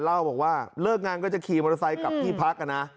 เล่าบอกว่าเลิกงานก็จะขี่มอเตอร์ไซค์กลับที่พักนะ